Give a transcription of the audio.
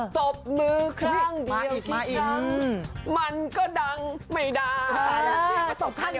ตบมือครั้งเดียวอย่างงั้งมันก็ดังไม่ดังมาอีก